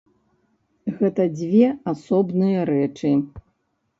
Гэта дзве асобныя рэчы.